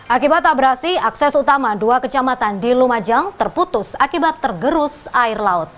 akibat abrasi akses utama dua kecamatan di lumajang terputus akibat tergerus air laut